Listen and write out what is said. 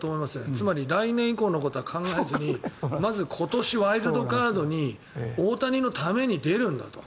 つまり来年以降のことは考えずまず今年ワイルドカードに大谷のために出るんだと。